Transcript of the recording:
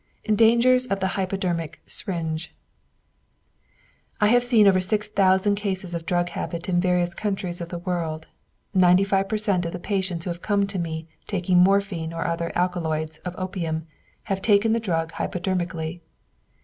DANGERS OF THE HYPODERMIC SYRINGE I have seen over six thousand cases of drug habit in various countries of the world. Ninety five per cent. of the patients who have come to me taking morphine or other alkaloids of opium have taken the drug hypodermically.